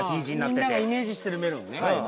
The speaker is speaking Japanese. みんながイメージしてるメロンね。